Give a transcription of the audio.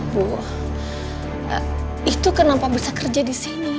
bu itu kenapa bisa kerja disini